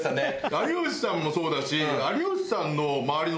有吉さんもそうだし。